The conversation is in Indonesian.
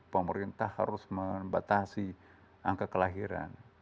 pemerintah harus membatasi angka kelahiran